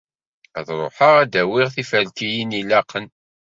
Ad ruḥeɣ ad d-awiɣ tiferkiyin ilaqen.